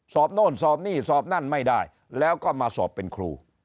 โน่นสอบนี่สอบนั่นไม่ได้แล้วก็มาสอบเป็นครู